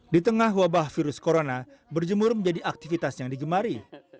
di tengah wabah virus corona berjemur menjadi aktivitas yang digemari